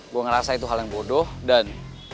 gue ngerasa itu hal yang bodoh dan